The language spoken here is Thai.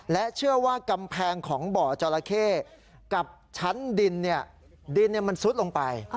และเชื่อว่ากำแพงของบ่อจราเข้กับชั้นดินดินมันซุดลงไป